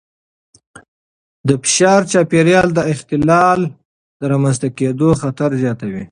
د فشار چاپېریال د اختلال د رامنځته کېدو خطر زیاتوي.